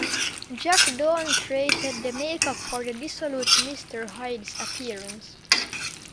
Jack Dawn created the make-up for the dissolute Mr. Hyde's appearance.